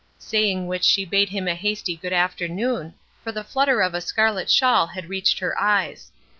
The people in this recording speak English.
Saying which she bade him a hasty good afternoon, for the flutter of a scarlet shawl had reached her eyes.